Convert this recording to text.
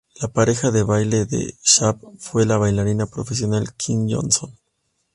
La pareja de baile de Sapp fue la bailarina profesional Kym Johnson.